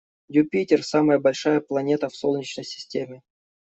Юпитер - самая большая планета в Солнечной системе.